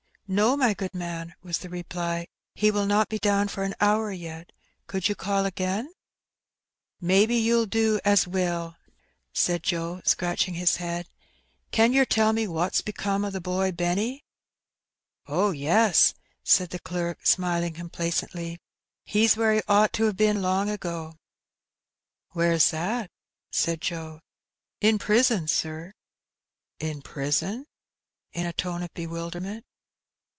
^^No, my good man,^' was the reply; "he will not be down for an hour yet. Could you call again ?" 212 Hee Benny. '' Mebbe you'll do as weel/' said Joe^ scratclmig his head. "Can yer tell me wot's become o* the boy Bemiy?" ^'Oh, yes/' said the clerk, smiling complacently, ''he's where he ought to have been long ago." "Where's that?" said Joe. "In prison, sir!" "In prison?" in a tone of bewilderment.